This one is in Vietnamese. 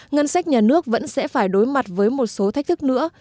ngân sách nhà nước vẫn sẽ phải đối mặt với một số thách thức nữa